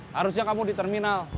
harusnya kamu di terminal